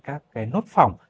các cái nốt phỏng